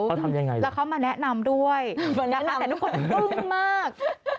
เขาทำยังไงล่ะแล้วเขามาแนะนำด้วยนะคะแต่ทุกคนอึ้งมาก